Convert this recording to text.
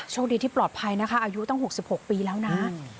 โชคดีที่ปลอดภัยนะคะอายุตั้ง๖๖ปีแล้วนะ